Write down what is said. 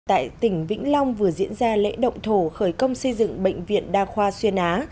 tại tỉnh vĩnh long vừa diễn ra lễ động thổ khởi công xây dựng bệnh viện đa khoa xuyên á